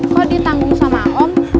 kok ditanggung sama om